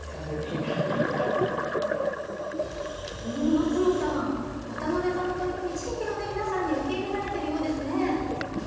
松野さん渡邊さんの取り組み地域の皆さんに受け入れられているようですね。